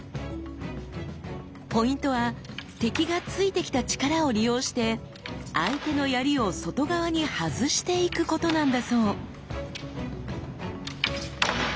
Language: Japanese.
ポイントは敵が突いてきた力を利用して相手の槍を外側に外していくことなんだそう。